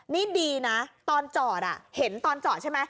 นี่ดีนะตอนจอดเห็นตอนจอดใช่ไหม